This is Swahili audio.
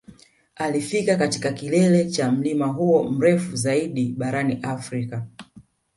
Alifika katika kilele cha mlima huo mrefu zaidi barani Afrika